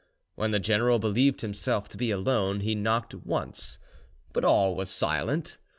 When the general believed himself to be alone, he knocked once; but all was silent.